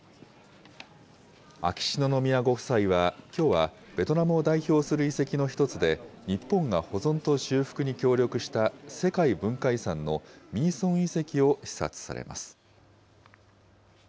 秋篠宮ご夫妻は、きょうはベトナムを代表する遺跡の１つで、日本が保存と修復に協力した世界文化遺産のミーソン遺跡を視察されます。